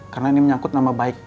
karena ini menyangkut nama baik